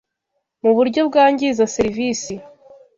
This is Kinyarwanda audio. mu buryo bwangiza serivisi.